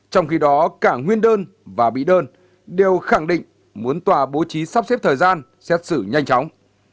trong khi đó cả nguyên đơn và bí đơn đều khẳng định muốn tòa bố trí sắp xếp thời gian xét xử nhanh chóng